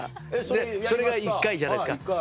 でそれが１回じゃないですか。